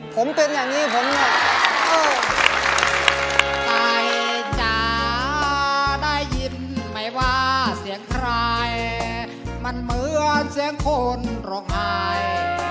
ผมเป็นอย่างนี้ผมเนี่ย